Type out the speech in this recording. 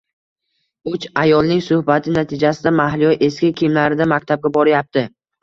Uch ayolning suhbati natijasida Mahliyo eski kiyimlarida maktabga borayapti